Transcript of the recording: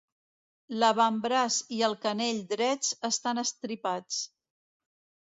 L'avantbraç i el canell drets estan estripats.